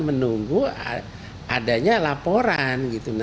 menunggu adanya laporan gitu